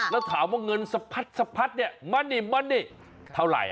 แล้วถามว่าเงินสะพัดสะพัดมันนี่เท่าไหร่